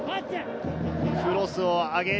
クロスを上げる。